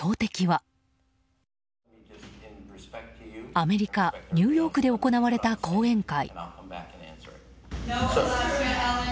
アメリカ・ニューヨークで行われた講演会。